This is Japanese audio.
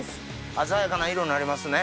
鮮やかな色なりますね。